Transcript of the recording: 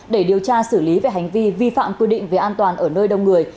để điều tra xử lý về hành vi vi phạm quy định về an toàn ở nơi đông người